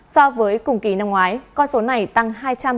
so với cùng kỳ năm ngoái con số này tăng hai trăm bảy mươi bảy bảy